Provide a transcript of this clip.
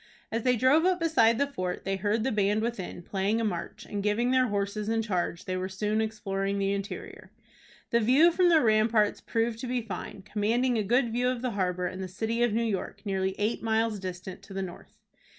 As they drove up beside the fort, they heard the band within, playing a march, and, giving their horses in charge, they were soon exploring the interior. The view from the ramparts proved to be fine, commanding a good view of the harbor and the city of New York, nearly eight miles distant to the north.